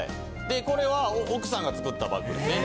でこれは奥さんが作ったバッグですね。